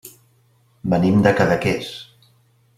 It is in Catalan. Venim de Cadaqués.